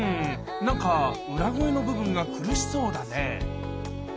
なんか裏声の部分が苦しそうだね